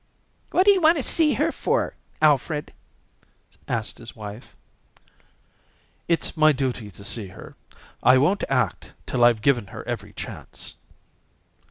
"What do you want to see her for, Alfred?" asked his wife. "It's my duty to see her. I won't act till I've given her every chance."